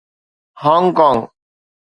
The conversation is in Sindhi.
Hong Kong